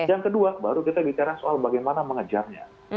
yang kedua baru kita bicara soal bagaimana mengejarnya